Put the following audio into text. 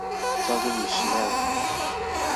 交給妳實驗了